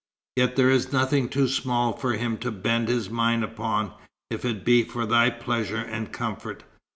Yet there is nothing too small for him to bend his mind upon, if it be for thy pleasure and comfort.